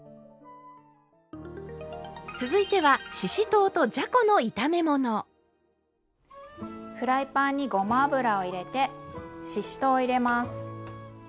続いてはフライパンにごま油を入れてししとうを入れます。